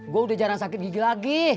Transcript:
gue udah jarang sakit gigi lagi